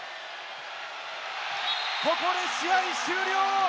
ここで試合終了！